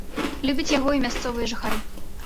Любяць яго і мясцовыя жыхары.